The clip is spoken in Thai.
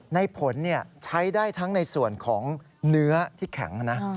ในผลใช้ได้ทั้งในส่วนของเนื้อที่แข็งนะ